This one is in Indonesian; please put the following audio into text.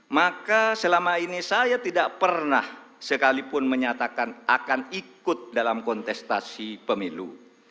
maka selama ini saya tidak pernah sekalipun menyatakan akan ikut dalam kontestasi pemilu